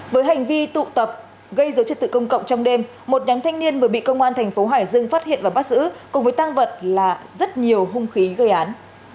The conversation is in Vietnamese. với hành vi tụ tập gây dấu chất tự công cộng trong đêm một nhóm thanh niên vừa bị công an thành phố hải dương phát hiện và bắt giữ cùng với tăng vật là rất nhiều hung khí gây án